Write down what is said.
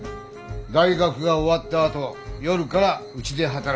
大学が終わったあと夜からうちで働く。